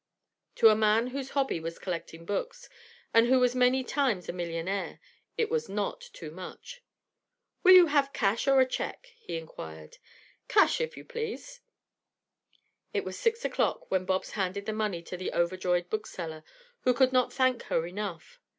To a man whose hobby was collecting books, and who was many times a millionaire, it was not too much. "Will you have cash or a check?" he inquired. "Cash, if you please." It was six o'clock when Bobs handed the money to the overjoyed bookseller, who could not thank her enough.